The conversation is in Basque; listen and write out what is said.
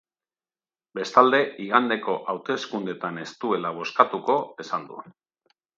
Bestalde, igandeko hauteskundeetan ez duela bozkatuko esan du.